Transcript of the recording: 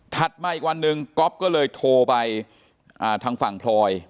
มาอีกวันหนึ่งก๊อฟก็เลยโทรไปทางฝั่งพลอย